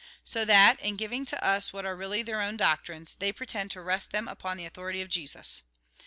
So that, in giving to us what are really their own doctrines, they pretend to rest them upon the authority of Jesus.